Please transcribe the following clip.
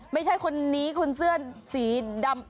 ไม่ใช่คนนี้คุณเสื้อสีดำ